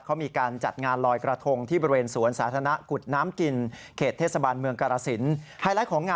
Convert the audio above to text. เขามีการจัดงานลอยกระทงที่บริเวณสวนศาสนะกุฎน้ำกลิ่น